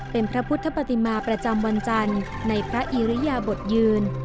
เป็นพระพุทธปฏิมาประจำวันจันทร์ในพระอิริยบทยืน